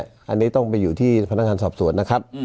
อันนี้ต้องไปอยู่ที่พนักงานสอบสวนนะครับ